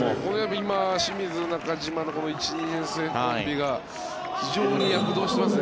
今、清水、中島の１年生コンビが非常に躍動していますね。